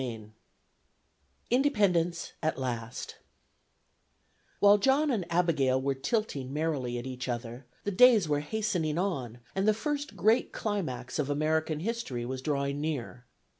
CHAPTER VIII INDEPENDENCE AT LAST WHILE John and Abigail were tilting merrily at each other, the days were hastening on, and the first great climax of American history was drawing near.